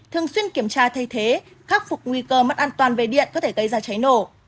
thường xuyên kiểm tra thay thế khắc phục nguy cơ mất an toàn về điện có thể gây ra cháy nổ